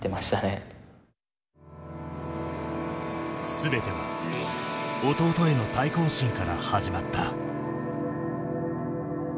全ては弟への対抗心から始まった。